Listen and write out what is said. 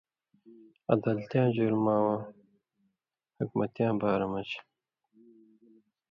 عدالتیاں، جرمہ واں، حُکمتیاں بارہ مَن٘ژ